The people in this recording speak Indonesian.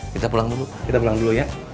kita pulang dulu ya